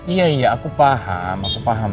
iya iya aku paham aku paham